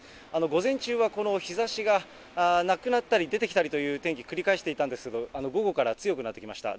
午前中はこの日ざしがなくなったり出てきたりという天気、繰り返していたんですが、午後から強くなってきました。